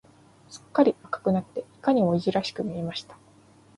すっかり赤くなって、いかにもいじらしく見えました。